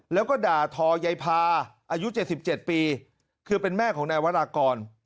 แล้วก็ด่าทอยายพาอายุ๗๗ปีคือเป็นแม่ของนายวรากร